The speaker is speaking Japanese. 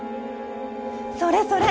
それそれ！